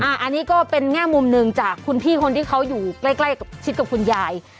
อันนี้ก็เป็นแง่มุมหนึ่งจากคุณพี่คนที่เขาอยู่ใกล้ชิดกับคุณยาย